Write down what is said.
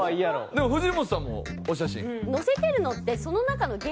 でも藤本さんもお写真。